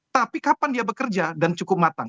tapi kapan dia bekerja dan cukup matang